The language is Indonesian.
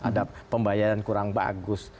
ada pembayaran kurang bagus